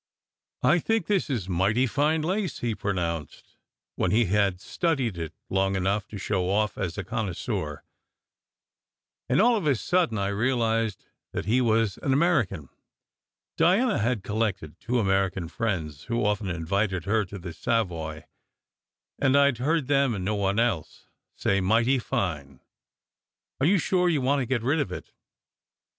"I think this is mighty fine lace," he pronounced, when he had studied it long enough to show off as a connoisseur; and all of a sudden I realized that he was an American. Diana had collected two American friends who often invited her to the Savoy, and I d heard them, and no one else, say "mighty fine." "Are you sure you want to get rid of it?